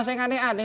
masa yang aneh aneh